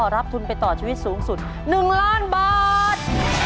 รับทุนไปต่อชีวิตสูงสุด๑ล้านบาท